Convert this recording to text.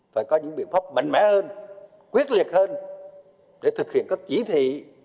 phải có những biện pháp mạnh mẽ hơn quyết liệt hơn để thực hiện các chỉ thị